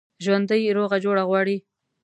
ژوندي روغه جوړه غواړي